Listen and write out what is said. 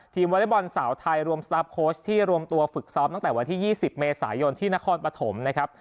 วอเล็กบอลสาวไทยรวมสตาร์ฟโค้ชที่รวมตัวฝึกซ้อมตั้งแต่วันที่๒๐เมษายนที่นครปฐมนะครับ